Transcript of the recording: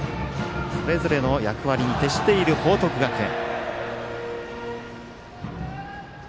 それぞれの役割に徹している報徳学園。